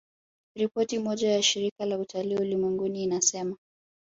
Ripoti moja ya Shirika la Utalii Ulimwenguni inasema